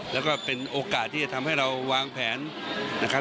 แล้วก็เป็นโอกาสที่จะทำให้เราวางแผนนะครับ